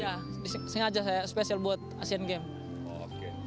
ya sengaja saya spesial buat asian games